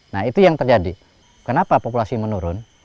nah itu yang terjadi kenapa populasi menurun